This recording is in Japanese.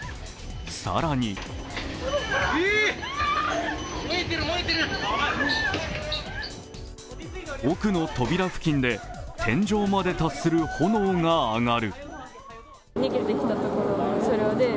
更に置くの扉付近で天井まで達する炎が上がる。